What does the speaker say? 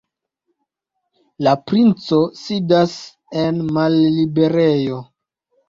La princo sidas en malliberejo?